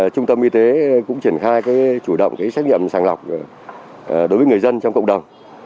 trung tâm y tế cũng triển khai chủ động xét nghiệm sàng lọc đối với người dân trong cộng đồng